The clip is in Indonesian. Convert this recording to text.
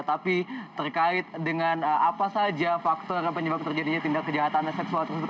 tapi terkait dengan apa saja faktor penyebab terjadinya tindak kejahatan seksual tersebut